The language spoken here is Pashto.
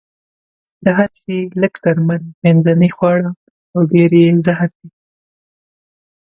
د هر شي لږ درمل، منځنۍ خواړه او ډېر يې زهر دي.